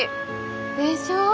でしょ！？